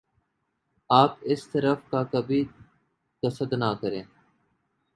آپ اس طرف کا کبھی قصد نہ کریں ۔